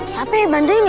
siapa yang banduinnya